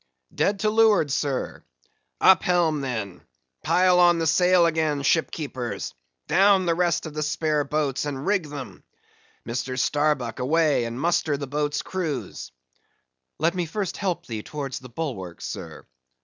"Dead to leeward, sir." "Up helm, then; pile on the sail again, ship keepers! down the rest of the spare boats and rig them—Mr. Starbuck away, and muster the boat's crews." "Let me first help thee towards the bulwarks, sir."